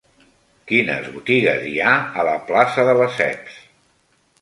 Quines botigues hi ha a la plaça de Lesseps?